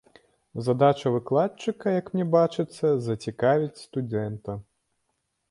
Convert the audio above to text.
Задача выкладчыка, як мне бачыцца, зацікавіць студэнта.